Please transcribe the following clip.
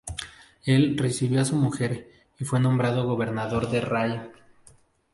Él recibió a su mujer, y fue nombrado gobernador de Ray.